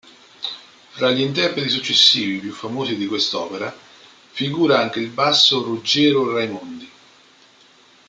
Fra gli interpreti successivi più famosi di quest'opera figura anche il basso Ruggero Raimondi.